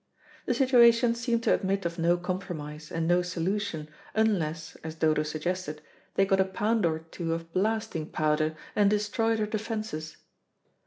The situation seemed to admit of no compromise and no solution, unless, as Dodo suggested, they got a pound or two of blasting powder and destroyed her defences.